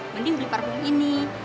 mending beli parfum ini